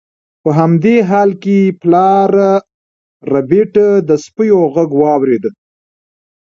په همدې حال کې پلار ربیټ د سپیو غږ واورید